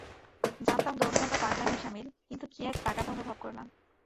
জানতাম দৌড়ানোটা পাগলামির সামিল, কিন্তু কি এক তাগাদা অনুভব করলাম।